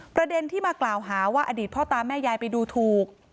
ประเด็นที่มากล่าวหาว่าอดีตพ่อตาแม่ยายไปดูถูก